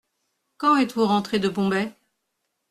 Quand êtes-vous rentré de Bombay ?